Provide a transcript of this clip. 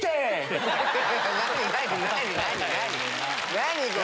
何これ？